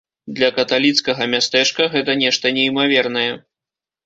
Для каталіцкага мястэчка гэта нешта неймавернае.